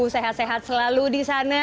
sehat sehat selalu di sana